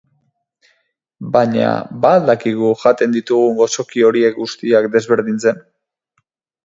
Baina, ba al dakigu jaten ditugun gozoki horiek guztiak desberdintzen?